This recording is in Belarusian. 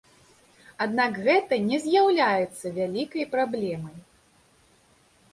Аднак гэта не з'яўляецца вялікай праблемай.